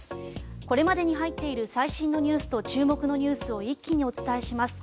これまでに入っている最新ニュースと注目ニュースを一気にお伝えします。